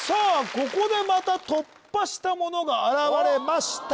ここでまた突破した者が現れました